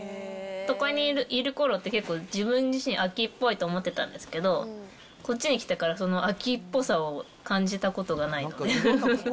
都会にいるころって、結構、自分自身、飽きっぽいと思ってたんですけど、こっちに来てから、その飽きっぽさを感じたことがないので。